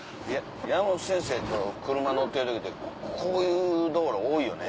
山本先生と車乗ってる時ってこういう道路多いよね。